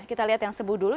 kita lihat yang sembuh dulu